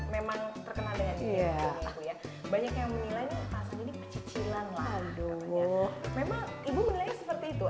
memang ibu menilainya seperti itu